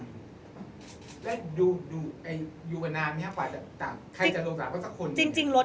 แล้วดูอยู่กันนานนี้ค่ะแต่ใครจะลงจากก็สักคน